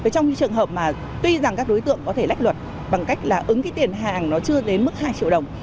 trong trường hợp mà tuy rằng các đối tượng có thể lách luật bằng cách là ứng cái tiền hàng nó chưa đến mức hai triệu đồng